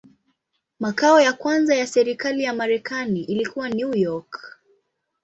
Makao ya kwanza ya serikali ya Marekani ilikuwa New York.